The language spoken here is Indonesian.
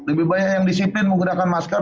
lebih banyak yang disiplin menggunakan masker